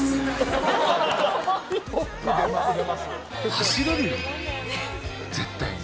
走れるよ、絶対に。